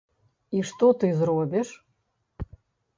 І што ты зробіш?